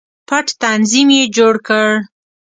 پټ تنظیم یې جوړ کړ.